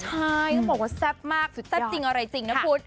ใช่ต้องบอกว่าแซ่บมากสุดแซ่บจริงอะไรจริงนะคุณ